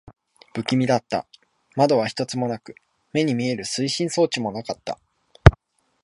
不気味だった。窓は一つもなく、目に見える推進装置もなかった。